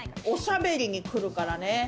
おしゃべりに来るからね。